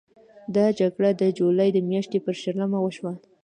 دا جګړه د جولای د میاشتې پر شلمه وشوه.